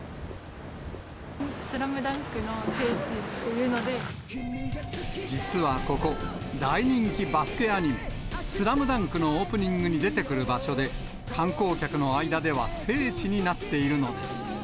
スラムダンクの聖地っていう実はここ、大人気バスケアニメ、スラムダンクのオープニングに出てくる場所で、観光客の間では、聖地になっているのです。